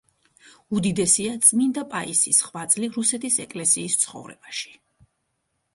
უდიდესია წმინდა პაისის ღვაწლი რუსეთის ეკლესიის ცხოვრებაში.